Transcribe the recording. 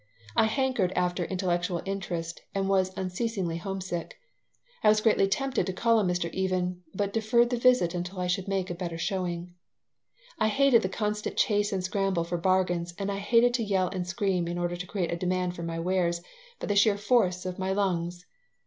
I hankered after intellectual interest and was unceasingly homesick. I was greatly tempted to call on Mr. Even, but deferred the visit until I should make a better showing. I hated the constant chase and scramble for bargains and I hated to yell and scream in order to create a demand for my wares by the sheer force of my lungs.